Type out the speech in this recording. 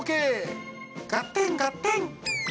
ガッテンガッテン！